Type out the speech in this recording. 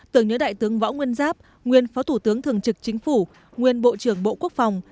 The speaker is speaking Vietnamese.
tưởng nhớ đại tướng võ nguyên giáp nguyên phó thủ tướng thường trực chính phủ nguyên bộ trưởng bộ quốc phòng